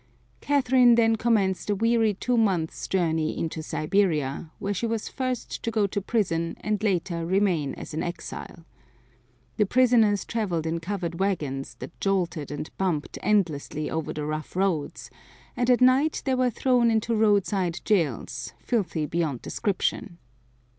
Catherine then commenced a weary two months journey into Siberia, where she was first to go to prison and later remain as an exile. The prisoners traveled in covered wagons, that jolted and bumped endlessly over the rough roads, and at night they were thrown into roadside jails, filthy beyond description.